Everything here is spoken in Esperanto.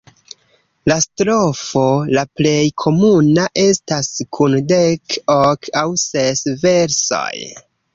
La strofo la plej komuna estas kun dek, ok aŭ ses versoj.